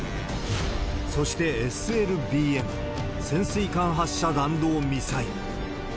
そして、ＳＬＢＭ・潜水艦発射弾道ミサイル。